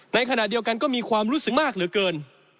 ในขณะเดียวกันก็มีความรู้สึกมากเหลือเกิน